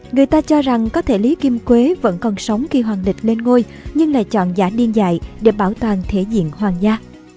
người ta cho rằng có thể lý kim quế vẫn còn sống khi hoàng lịch lên ngôi nhưng lại chọn giả điên dại để bảo toàn thể diện hoàng gia